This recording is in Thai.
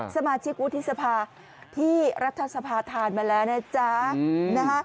สมาชิกวุฒิษภาที่รับทัศนภาษณ์ทานมาแล้วนะจ๊ะอืม